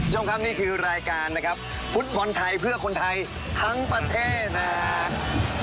คุณผู้ชมครับนี่คือรายการนะครับฟุตบอลไทยเพื่อคนไทยทั้งประเทศนะครับ